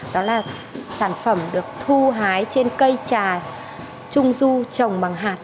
đó là sản phẩm được thu hái trên cây trà trung du trồng bằng hạt